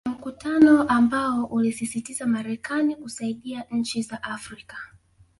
Mkutano ambao uliosisitiza Marekani kusaidia nchi za Afrika